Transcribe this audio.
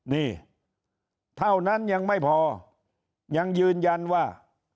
นี่เท่านั้นยังไม่พอยังยืนยันว่า